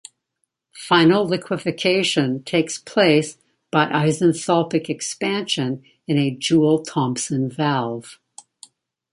Final liquefaction takes place by isenthalpic expansion in a Joule-Thomson-Valve.